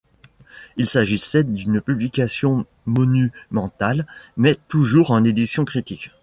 Il s'agissait d'une publication monumentale, mais toujours en édition critique.